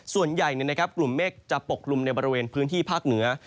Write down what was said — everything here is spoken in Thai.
ส่วนใหญ่กลุ่มเมฆจะปกลุ่มในบริเวณพื้นที่ภาคเหนือ